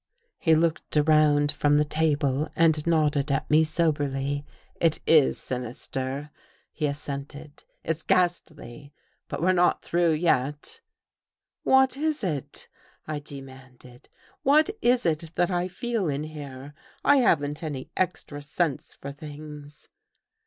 He looked around from the table and nodded at me soberly. " It Is sinister," he assented. " It's ghastly. But we're not through yet." "What Is it?" I demanded. "What Is It that I feel in here? I haven't any extra sense for things."